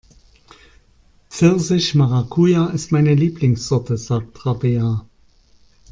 Pfirsich-Maracuja ist meine Lieblingssorte, sagt Rabea.